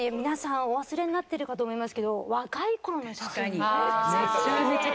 皆さんお忘れになってるかと思いますけど若い頃の写真ね。